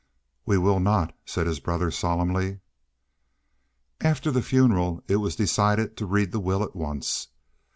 "We will not," said his brother, solemnly. After the funeral it was decided to read the will at once.